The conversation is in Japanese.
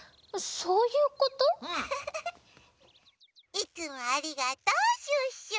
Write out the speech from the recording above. いつもありがとうシュッシュ。